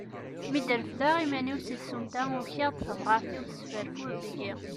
Mi d-refdeɣ iman-iw si tsumta, ukiɣ-d, tamɣart-iw tesfarfud deg-i.